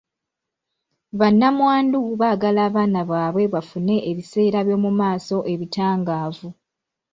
Bannamwandu baagala abaana baabwe bafune ebiseera by'omu maaso ebitangaavu.